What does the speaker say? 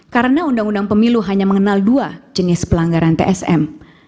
karena undang undang pemilu hanya mengenal dua jenis pelanggaran tsm